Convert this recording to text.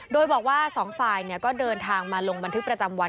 โดยบอกว่าสองฝ่ายก็เดินทางมาลงบันทึกประจำวัน